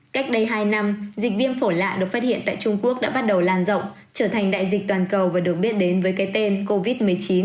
cách đây hai năm dịch viêm phổi lạ được phát hiện tại trung quốc đã bắt đầu lan rộng trở thành đại dịch toàn cầu và được biết đến với cái tên covid một mươi chín